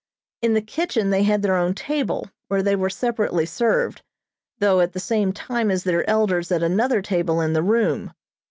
In the kitchen they had their own table, where they were separately served, though at the same time as their elders at another table in the room.